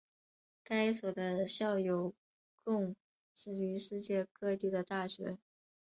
该所的校友供职于世界各地的大学。